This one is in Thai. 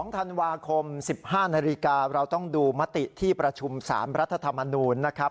๒ธันวาคม๑๕นาฬิกาเราต้องดูมติที่ประชุม๓รัฐธรรมนูลนะครับ